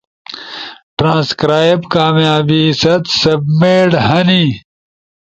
ٹرانسکرائب کامیابی ست سبمیٹ ہن،